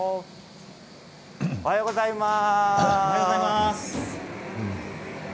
おはようございます。